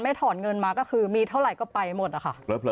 ไม่ถอนเงินมาก็คือมีเท่าไหร่ก็ไปหมดอ่ะค่ะเผลอเผลอ